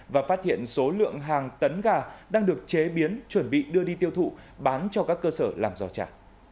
và phát hiện số lượng hàng tấn gà đang được chế biến chuẩn bị đưa đi tiêu thụ bán cho các cơ sở làm giò trà